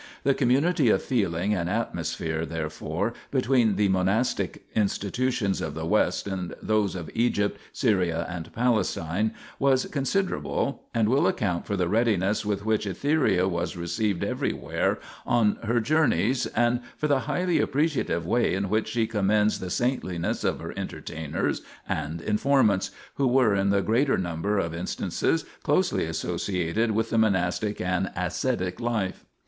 The community of feeling and atmo sphere, therefore, between the monastic institutions of the West and those of Egypt, Syria and Palestine was considerable, and will account for the readiness with which Etheria was received everywhere on her journeys and for the highly appreciative way in which she commends the saintliness of her entertainers and informants, who were in the greater number of in stances closely associated with the monastic and ascetic life.